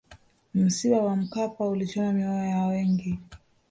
msiba wa mkapa ulichoma mioyo ya wengi